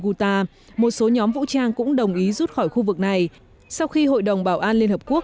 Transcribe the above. guta một số nhóm vũ trang cũng đồng ý rút khỏi khu vực này sau khi hội đồng bảo an liên hợp quốc